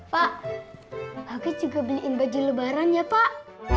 pak oke juga beliin baju lebaran ya pak